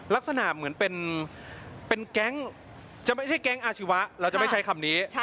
ลักษณะเหมือนเป็นแก๊งจะไม่ใช่แก๊งอาชีวะเราจะไม่ใช้คำนี้